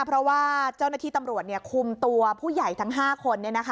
เพราะว่าเจ้าหน้าที่ตำรวจคุมตัวผู้ใหญ่ทั้ง๕คน